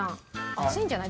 熱いんじゃない？